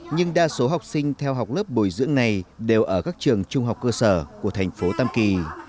nhưng đa số học sinh theo học lớp bồi dưỡng này đều ở các trường trung học cơ sở của thành phố tam kỳ